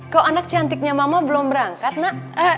kok anak cantiknya mama belum berangkat nak